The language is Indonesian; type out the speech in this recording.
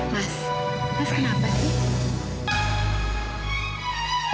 mas mas kenapa sih